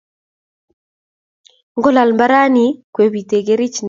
Ngolal mbaranni kwepitee kerich nee